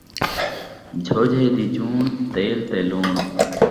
جھوجھے دی چوݨ ، تیل تے لوݨ